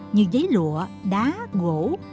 như giấy lụa đá gỗ